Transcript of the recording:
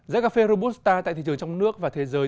giá cà phê robusta tại thị trường trong nước và thế giới